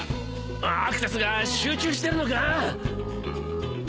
アクセスが集中してるのか？